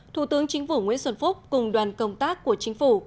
thủ tướng chính phủ nguyễn xuân phúc cùng đoàn công tác của chính phủ